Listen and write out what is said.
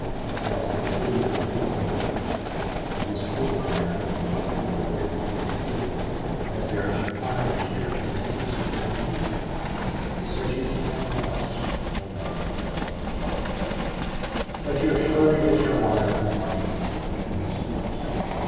He tells me, too, that you've been worried that his cablegram from Namur didn't get through that there are inquiries here at the embassy for me. He says you think I'm lost. Oh, my dear, I never thought of that. But you'll surely get your wire from Washington to day, he says.